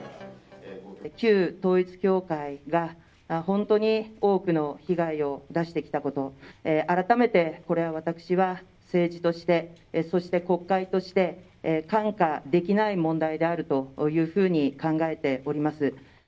旧統一教会が本当に多くの被害を出してきたこと、改めてこれは私は政治として、そして国会として、看過できない問題であるというふうに考えております。